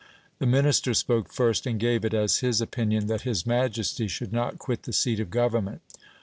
The minister spoke first, and gave it as his opinion that his majesty should not quit the seat of government.